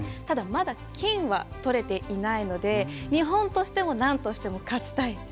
ただまだ金は取れていないので日本としても何としても勝ちたい。